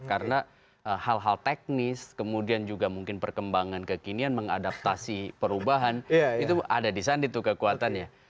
karena hal hal teknis kemudian juga mungkin perkembangan kekinian mengadaptasi perubahan itu ada di sandi itu kekuatannya